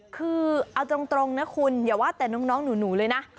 คือเอาตรงนะคุณอย่าว่าแต่น้องหนูเลยนะ